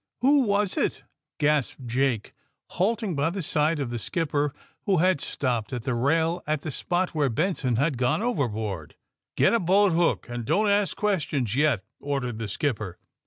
Who was it?" gasped Jake, halting by the side of the skipper, who had stopped at the rail at the spot where Benson had gone overboard. '^Get a boathook, and don't ask questions yet," ordered the skipper.